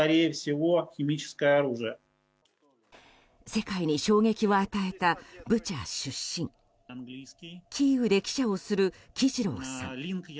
世界に衝撃を与えたブチャ出身キーウで記者をするキジロウさん。